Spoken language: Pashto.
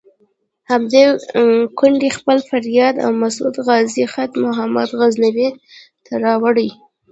همدې کونډې خپل فریاد او د مسعود غازي خط محمود غزنوي ته راوړی.